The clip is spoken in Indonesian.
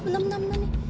bentar bentar bentar nih